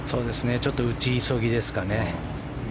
ちょっと打ち急ぎですかね。